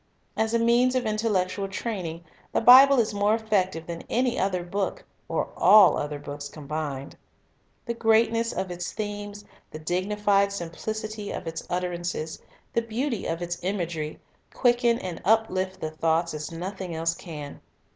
As a means of intellectual training, the Bible is more effective than any other book, or all other books combined. The greatness of its themes, the dignified simplicity of its utterances, the beauty of its imagery, quicken and uplift the thoughts as nothing else can.